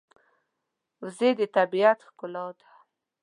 وزې د طبیعت ښکلا ده